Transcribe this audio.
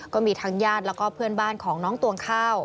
ก็มีทั้งญาติแล้วก็เพื่อนบ้านของน้องตวงข้าว